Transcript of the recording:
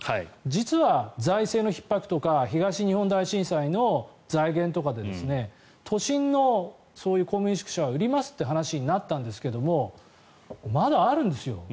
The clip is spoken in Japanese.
実は財政のひっ迫とか東日本大震災の財源とかで都心のそういう公務員宿舎を売りますという話になったんですがまだあるんですよ。